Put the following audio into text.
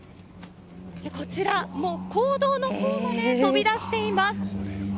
こちら、もう公道のほうまで飛び出しています。